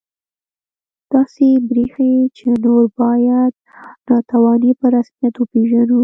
داسې بریښي چې نور باید ناتواني په رسمیت وپېژنو